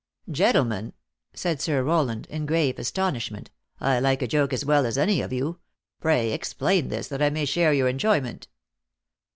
" Gentlemen," said Sir Rowland, in grave astonish ment, "I like a joke as well as any of you. "Pray explain this, that I may share your enjoyment."